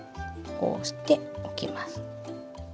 こうしておきます。